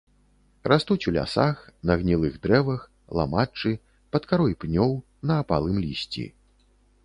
Растуць у лясах, на гнілых дрэвах, ламаччы, пад карой пнёў, на апалым лісці.